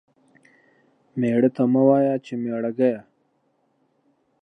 ميړه ته مه وايه چې ميړه گيه.